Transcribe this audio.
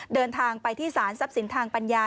เดินทางไปที่สารทรัพย์สินทางปัญญา